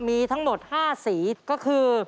มีทั้งหมด๕สีก็คือ